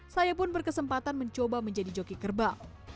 saya pun berkesempatan mencoba menjadi joki kerbau